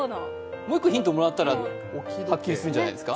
もう１個ヒントもらったら、はっきりするんじゃないですか。